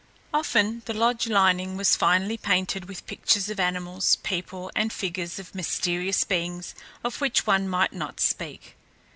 Often the lodge lining was finely painted with pictures of animals, people, and figures of mysterious beings of which one might not speak.